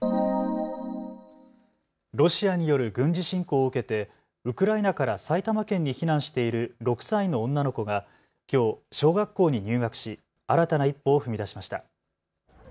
ロシアによる軍事侵攻を受けてウクライナから埼玉県に避難している６歳の女の子がきょう小学校に入学し新たな一歩を踏み出しました。